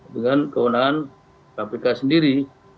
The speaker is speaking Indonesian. dengan kewenangan kpk sendiri